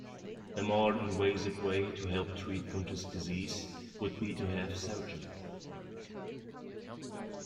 A more invasive way to help treat Gunther's disease would be to have surgery.